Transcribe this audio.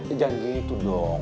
eh jangan gitu dong